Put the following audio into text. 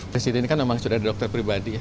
presiden ini kan memang sudah ada dokter pribadi